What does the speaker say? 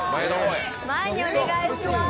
前にお願いします。